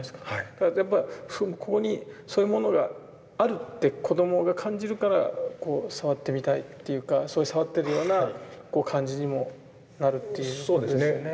だからやっぱりここにそういうものがあるって子どもが感じるからこう触ってみたいっていうかそれ触ってるようなこう感じにもなるっていうことですよね。